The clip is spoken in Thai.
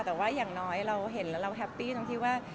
แต่ว่าอย่างน้อยเราเห็นแล้วเราแฮปปี้ตรงที่ว่า